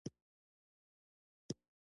اوړي د افغانستان د موسم د بدلون سبب کېږي.